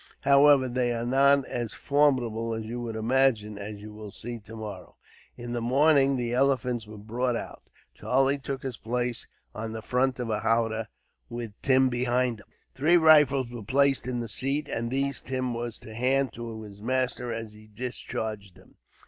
However, they are not as formidable as you would imagine, as you will see, tomorrow." In the morning the elephants were brought out. Charlie took his place in the front of a howdah, with Tim behind him. Three rifles were placed in the seat, and these Tim was to hand to his master, as he discharged them.